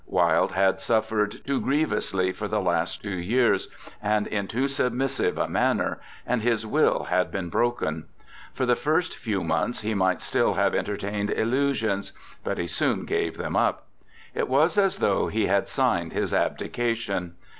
Wilde had suffered too grievously for the last two years, and in too submissive a manner, and his will had been broken. For the first few months he might still have entertained illusions, but he soon gave them up. It was as though he had signed his abdication.